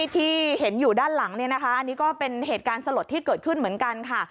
ที่เห็นอยู่ด้านหลังอันนี้ก็เป็นเหตุการณ์สลดที่เกิดขึ้นเหมือนกันค่ะ